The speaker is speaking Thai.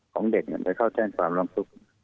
ของเด็กมันเด้อเข้าแจ้งความรองทุกข์